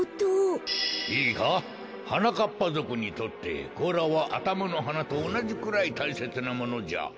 いいかはなかっぱぞくにとってこうらはあたまのはなとおなじくらいたいせつなものじゃ。